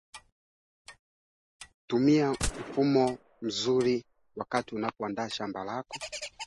Anasema yeye ndie msimamizi halali wanchi hadi uchaguzi ufanyike